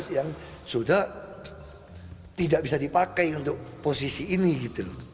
yang sudah tidak bisa dipakai untuk posisi ini